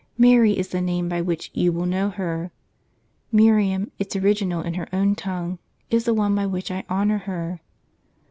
Mary is the name by which you will know her: Miriam, its original in her own tongue, is the one by which I honor her.